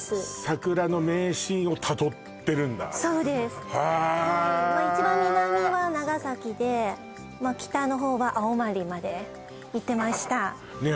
桜の名シーンをたどってるんだそうですへえ一番南は長崎で北の方は青森まで行ってましたね